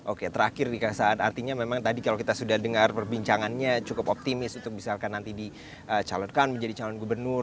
oke terakhir nih kang saan artinya memang tadi kalau kita sudah dengar perbincangannya cukup optimis untuk misalkan nanti dicalonkan menjadi calon gubernur